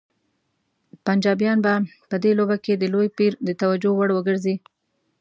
پنجابیان به په دې لوبه کې د لوی پیر د توجه وړ وګرځي.